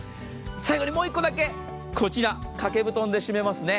最後にもう１個だけ、掛け布団で締めますね。